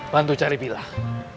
bantu cari pilal